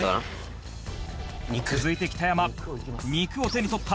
「続いて北山肉を手に取った」